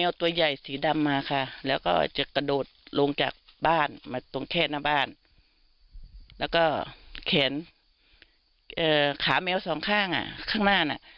มาแบบมากแล้วก็โดดลงจากบ้านมาตรงแค่น้าบ้านแล้วก็แขนขาเมียสองข้างอ่ะปุ่มเป็นสาม